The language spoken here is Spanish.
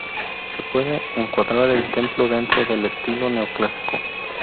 Se puede encuadrar el templo dentro del estilo Neoclásico.